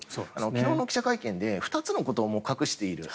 昨日の記者会見で２つのことを隠している。